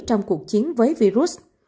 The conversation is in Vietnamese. trong cuộc chiến với virus